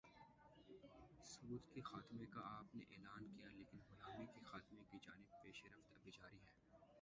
سود کے خاتمے کا آپ نے اعلان کیا لیکن غلامی کے خاتمے کی جانب پیش رفت ابھی جاری تھی۔